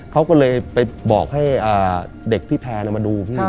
เขาก็เลยไปบอกให้เด็กพี่แพร่มาดูพี่